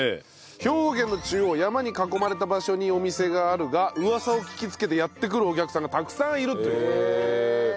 兵庫県の中央山に囲まれた場所にお店があるが噂を聞きつけてやって来るお客さんがたくさんいるという。